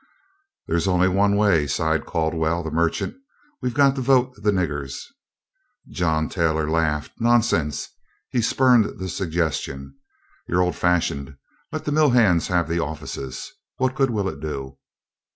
"There's only one way," sighed Caldwell, the merchant; "we've got to vote the niggers." John Taylor laughed. "Nonsense!" he spurned the suggestion. "You're old fashioned. Let the mill hands have the offices. What good will it do?"